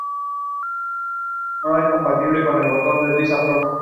Actualmente vuelve a ejercer el cargo de entrenador asistente en los Sixers.